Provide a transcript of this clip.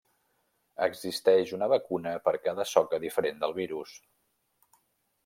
Existeix una vacuna per cada soca diferent del virus.